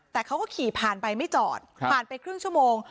แต่เขาก็ขี่ผ่านไปไม่จอดผ่านไปครึ่งชั่วโมง